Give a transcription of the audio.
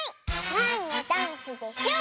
なんのダンスでしょう？